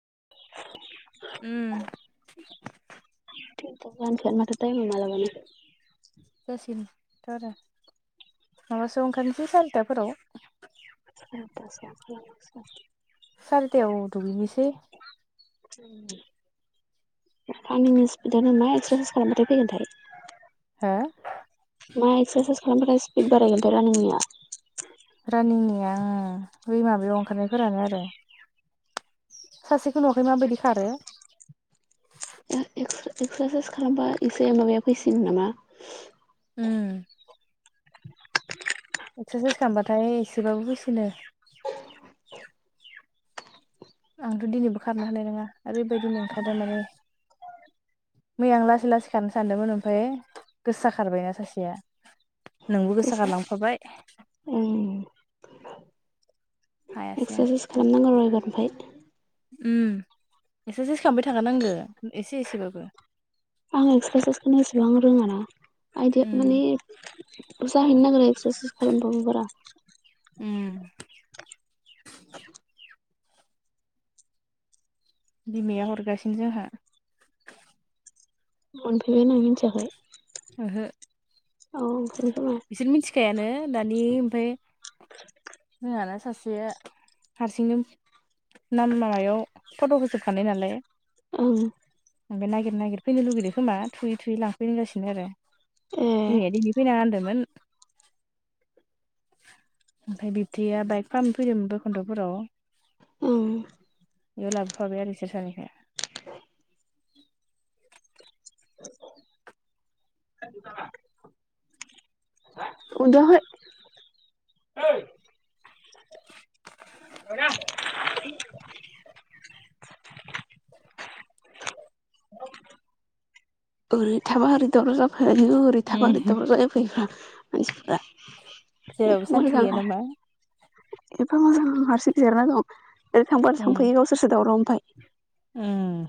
[inaudible] उम फान मोनाय म मला मान सिनथ' आरो माबासो ओंखारनोसै सारिथाफोराव [unintelligible] सारितायाव दुगैनिसेै [unintelligible] आं निनि स्पिटदानो मा एक्स्रासाइस खालामबाथाय फैगोनथाय। हो? मा एक्सारसाइस खालामबथाय स्पिड बारायगोनथाय' रानिंनिया आनिनि आङो बै माबायाव ओंखारनायफोरानो आरो। सासेखौ न'वाखै माबायदि खारो। एक्सारसाइस खालामबा एसे माबाया फैसिन नामा। उम। एक्सारसाइस खालामबाथाय एसेबाबो फैसिनो। आंथ' दिनैबो खारनो हानाय नङा ओरैबायदि मेंखादो माने मैया आं लासै लासै खारनो सानदोंमोन ओमफाय गोसा खारबायना सासेया नोंबो गोसा गोसोआ गालांफाबाय ओम हायासै आं एक्सारसाइस खालामनांगौ र एबार ओमफ्राय उम एक्सारसाइस खालामबाय थाखानांगो एसे एसेबाबो आं एक्सारसाइसखौनो एसेबां रोङाना उम आइदिया माने जाहैनो नागेरो एक्सारसाइस खालामथ' आखै बारा उम [inaudible] बिमाया हरगासिनो जोंहा मनफयबाय होनना मिथियाखै ओहो औ ओंखायनो खोमा बिसोर मिथिखायानो दानि ओमफाय जोंहाना सासे हारसिंनो नाम माबायाव फट' होखाखानाय नालाय औ। ओमबाय नागिरागिर फैनो लुगैदो खोमा थुयैु थुयै लांफै होनगासिनो आरो। ए बिमाया दिनै फैनाङा होनदोंमोन। ओमफ्राय बिबथैया बाइक फाहामनो फैदोंमोन बैखुन्न्द'फोराव ओं बियाव लाब आरो बिसोर सानै स्रि [unintelligible] उन्दुआखै [unintelligible] ओरै थाबा ओरैदावराव जाफायो ओरै थाबा ओरै दावराव जाफैयब्रा मानसिफ्रा जेरावबो एफा सान्थि मोजां गैया नामा? एफा मोजां हारसिं जिरायना दं। ओरै थांबा उम थांफायो गावसोरसो दावराव ओमफ्राय उम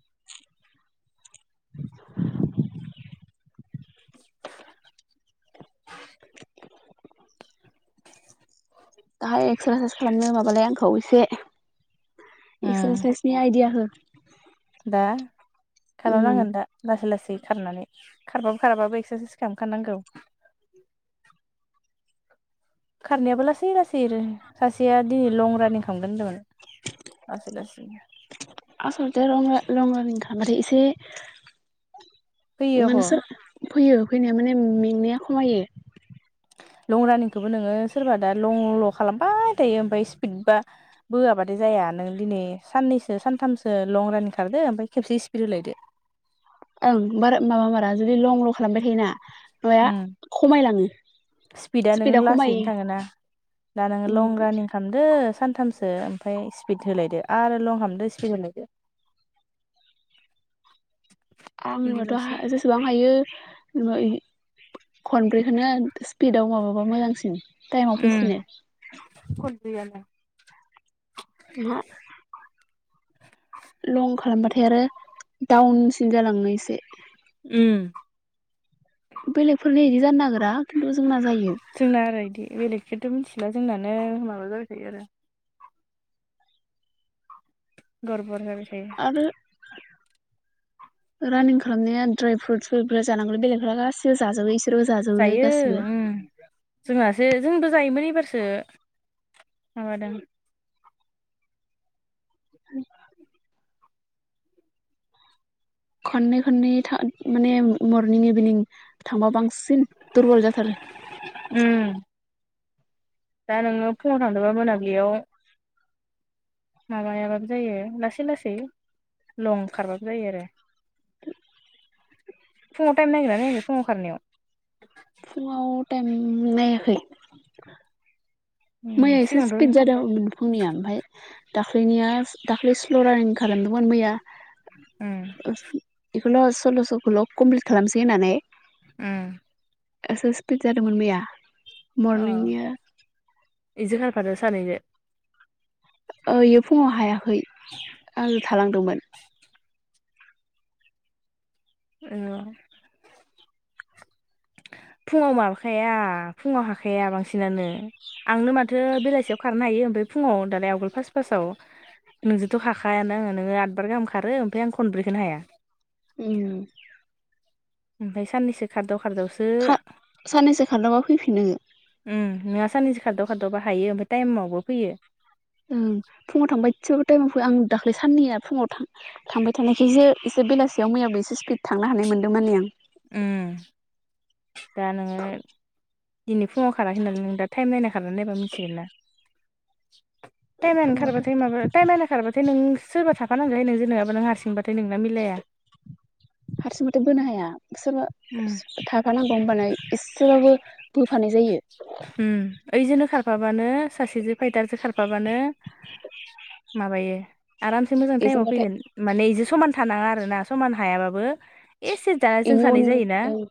[unintelligible] [unintelligible] दाहाय एक्सारसाइस खालामनो माबालाय आंखौ एसे उम एक्सारसाइसनि आइडिया हो दा उम खालामनांगोन दा लासै लासै खारनानै खारबाबो खाराबाबो एक्सारसाइस खामखानांगौ । खारनायाबो लासै लासै रो सासेया दिनै लं रानिं खामगोन होनदोंमोन । लासै लासै? आसलथे लं रानिं लं रानिं खालामबाथाय एसे फैयो ह माने स फैयो फैनाया माने मेंनाया खमायो । लं रानिंखौबो नोङो सोरबा दा लं ल' खालामबाय थायो ओमफफाय स्पिड बा बोआबाथाय जाया नों दिनै साननैसो सानथामसो लं रानिं खारदो ओमफाय खेबसे स्पिद होलायदो ‌ ओं बारा माबा मारा जुदि लंल' खालामबाय थायोना नया उम खमायलाङो स्पिडा नोङो स्पिडआ खमायो लासैनो । थाङोना दा नोङो लं रानिं खालामदो। सानथामसो ओमफ्राय स्पिद होलायदो आरो लं खामदो स्पिद होलायदो । आंनिबाथ' बिदिबासो हा जेसेबां हायो [unintelligible] खनब्रैखौनो स्पिडाव माबाबा मोजांसिन । थाइमाव फैसिनो गैयाना । जोंहा आमफाय आरो डाउनसिन जालाङो एसे । उम । बेलेगफोरनि इदि जानो नागिरा खिन्थु जोंना जायो। जोंना आरो इदि बेलेग खोथ' मिथिला जोंनानो माबा जाबाय थायो आरो। गर्बर होन । आरो रानिं खालामनाया ड्राय फ्रुइटस जानांगौल बेलेगफोरा गासिबो जाजोबो इ जायो उम जोंहासो जोंबो जायोमोन ए फोरसो माबादों । [inaudible] खननै खननै थां माने मरनिं इभिनिं थांबा बांसिन दुरबल जाथारो । [inaudible] उम । दा नोङो फुङाव थांदोंबा मोनाब्लियाव माबायाबाबो जायो लासै लासै लं खारबाबो जायो आरो । फुंङाव टाइम नायदोंना नायाखै फुंङाव खारनायाव? फुङाव टाइम नायाखै । उम मैया एसे सिगांथ' उम स्पिड जादों फुंनिया आमफाय दाख्लैनिया दाख्लै स्ल' रानिं खालामदोंमोन मैया उम । ल' सल्ल'स'खौल' कमप्लिट खालामसै होननानै ओम । एसे स्पिपिड जादोंमोन मैया मरनिंनिया एजो खारफादो सानैजों? ओ इयो फुङाव हायाखै आङो थालांदोंमोन । [unintelligible] फुङाव माबाखाया फुङाव हाखाया बांसिनानो । आंनो माथो बेलासियाव खारनो हायो ओमफाय फुङाव दालाय आवगोल फास्ट फास्ताव नोंजोंथ' हाखायानो आङो नोङो आदबार गाहाम खारो ओमफ्राय आं खनब्रैखौनो हाया । उम । ओमफाय साननैसो खारदाव खारदावसो खा साननैसो खारलांबा फैफिनो ओम नोंङा साननैसो खारदाव खारदावबा हायो ओमफाय टाइमावबो फैयो । ओम फुंङाव थांबा इदसे बाहों टाइमाव फैयो आं दाख्लै साननैया फुङाव थां थांबाय थानायखायसो एसे बेलासियाव मैयाबो एसे स्पिड थांनो हानाय मोनदों माने आं । उम । दिनै फुङाव खाराखै नामा नों दा टाइम नायना खारा नायबा मिथिगोन ना। टाइमआ फुङावथ' ओंखारबाथाय माबा टाइइम नायना माबा तायम नायना खारबाथाय नों सोरबा थाफानांगौवहाय नोंजो नङाबा नों हारसिंबा नाथाय नोंना मिलाया हारसिं बाथाय बोनो हाया । सोरबा उम [unintelligible] थाफानांगौ होमबाना एसेबाबो बोफानाय जायो। उ ओइजोनो खारफाबानो सासेजों फैदारजों खारफाबानो माबायो आरामसे मोजां टाइमाव एजोंबाथाय फैगोन माने इदि समान थानाङा आरो ना समान हायाबाबो एसे दा जों बेनि उन सानै जायोना ओं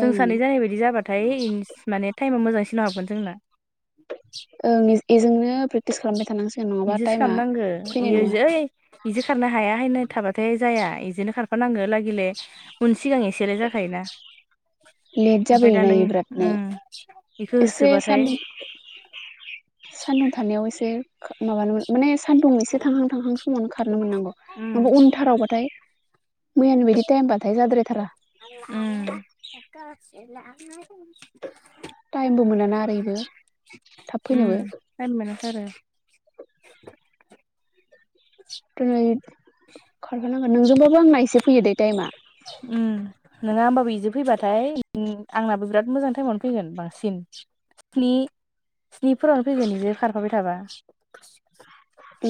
जों ओं सानै जानाय बायदि जाबाथाय माने मोजांसिनो हागोन जोंना । [unintelligible] [inaudible] ओं बेजोंनो प्रेक्टिस खालामबाय थानांसिगोन नङाबा टाइमा फैनाय नङा बिजो खारनो हाया हाय नों [unintelligible] थाबाथाय जाया, एजोनो खारफानांगो लागिले उन सिगां एसेल जाखायोना । लेट [inaudible] ओम फ्राय दा जाबोयोना नों इयो बिरादनो उ एसे सानदु' [inaudible] सान्दुं थानायाव एसे माबानो माने सान्दुं एसे थांहां थांहां फुंआवनो खारनो मोननांगौ । उम नङाबा उन थाराव बाथाय [unintelligible] मैयानो बिदि टाइमबाथाय जाद्राय थारा। उम [unintelligible] टाइमबो मोनाना ओरैबो थाब फैनोबो आरो [inaudible] दिनै खारखानांगोन। नोंजोंबाबो आंना एसे फैयो दैे टाइमा । उ नोंङा होमबाबो बिजों फैबाथाय उ आंनाबो बिराद मोजां टाइमावनो फैगोन बांसिन । ् [unintelligible] स्निफोरा फैगोन बिजो खारफाबाय थाबा।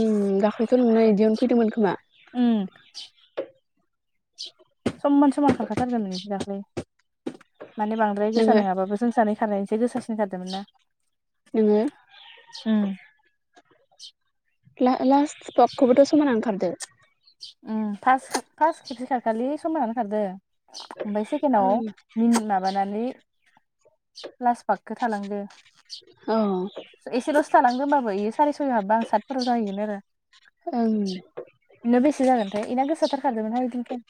उम दाखलिथ' नोंना बिदियावनो फैदोंमोन खोमा? उम समान समान खारखाथारदो नों [unintelligible] दाख्लै । माने बांद्राय गोसा नोङो नङाबाबो जों सानै खार एसे गोसासिनखारदो मोन ना? नोङो उम । लास पकखौबोथ' समाना ओंखारदो। फास फास केबसे खारखालि समानानो खारदो। ओमफ्राय सेकेखेनआव मिनिट माबानानै लास पाखखौ थालांदो। अ। एसेलसो थानांगोन बाबो येयो सारे- सय हाबबोआं सातफोराव जाहैगोन आरो । ओं। बेनो बेसे जागोनथाय? बेना गोसाथार खारदोंमोनहाय इदिनखालि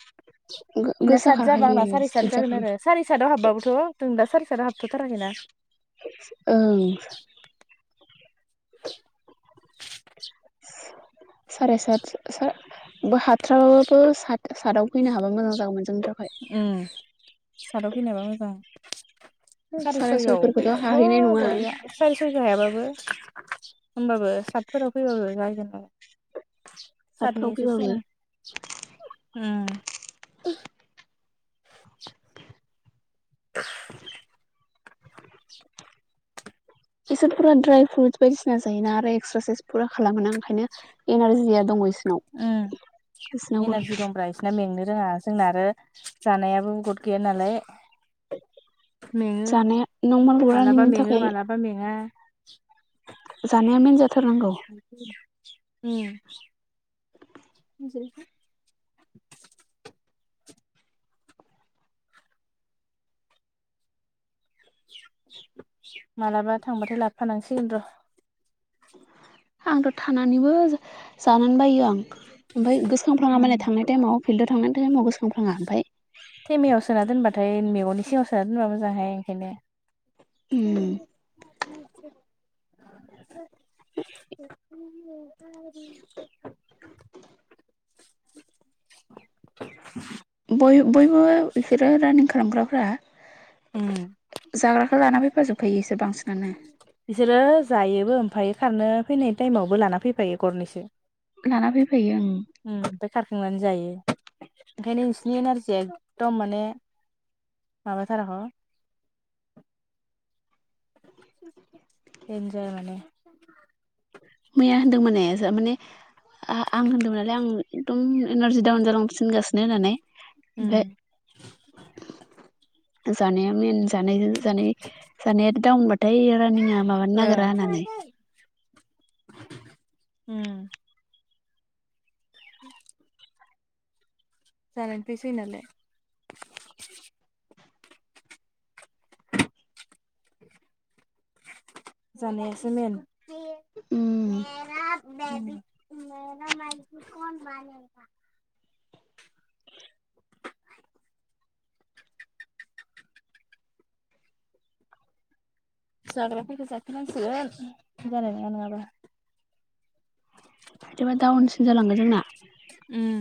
[unintelligible] बिना गोसा सात जाबा खारखायो आंना सारि सात स्पिड जागोन जाखायो आरो सारि साता आव हाबबाबोथ' [unintelligible] सारि सातआ हाबथ'थाराखै ना? औ। [inaudible] साराय सात हाथ्राबाबाबो साथ साटआव फैनो हाबा मोजां जागोन मोन । उ साटाव फैनायाबा मोजां । साराय साराइसअयआव सयफोरखौथ' फैबाथ' हाहैनाय नङा बरिया साराइस'इ हायाबाबो होमबाबो सातफोराव फैबाबो जाहैगोन आरो। सारनै सातफ्राव एसो फैबाबो सिगां उम। [unintelligible] [inaudible] इसोर फुरा ड्राय फ्रुइटस बायदिसिना जायोना आरो एक्सारसाइस फुरा खालामोना ओंखायनो एनारजिया दङ इसोरनाव उम बिसोरनावबो एनारजि दंब्रा इसोरना मेंनो जोंहा जोंना आरो जानायाबो गद गैया नालाय मेंङो जानाया नर्माल । मालाबा रानिंनि मेंङो थाखाय मालाबा मेंङा । जानाया मेन जाथारनांगौ उ ज [inaudible] मालाबा थांबाथाय लाबोफानांसिगोन र' आंथ' थानानैबो जानोनो बायो आं, ओमफ्राय गोसो खांफ्लांङा उम मालाय थांनाय टाइमाव । फिल्डआव थांनाय तायमाव गोसो खांप्लांङा? ओमफ्राय ओमफ्राय मैगंनि सिगाङाव सोनोनबा मोजां हाय ओंखायनो उम [unintelligible] [unintelligible] [inaudible] बय बयबो बिसोरो रानिं खालामग्राफ्रा जाग्राखौ लानाफाजोबखायो इसोर बांसिन। बिसोरो जायोबो ओमफ्रायायो खारनो फैनाय टाइमावबो लाना फैफायो गरनैसो लाना फैफायो ओं ओम ओमफ्राय खारखांनानै जायो ओंखायनो नोंसिनि नारजिया एखदम माने माबाथाराखै [inaudible] देन्जार माने मैया होनदोंमोननाय माने आं होन्दोंमोन नालाय आं एकदम एनारजि दडाउन जालां सिनगासिनो होननानै ओ ओमफ्राय जानाया मेन जानायजों जानाय जानायाथ दाउनबाथाय रानिंआ माबानो नागिरा होननानै उम [inaudible] जानायनि फ्रायसो फैयो नालाय जानायासो मेेन उम [unintelligible] [unintelligible] जाग्राफोरखौ जाखानांइसिगोन जानाय नङा नङाबा बिदिबा दाउनसिन जालांगोन जोंना उम